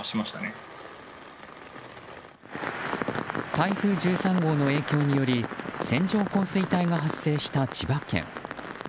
台風１３号の影響により線状降水帯が発生した千葉県。